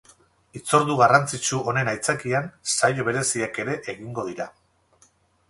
Hitzordu garrantzitsu honen aitzakian saio bereziak ere egingo dira.